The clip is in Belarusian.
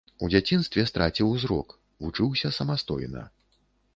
У дзяцінстве страціў зрок, вучыўся самастойна.